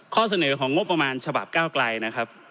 ข้อเสนอของงบประมาณฉบับก้าวไกลนะครับ